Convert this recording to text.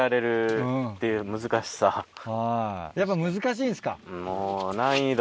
はいやっぱ難しいんですか？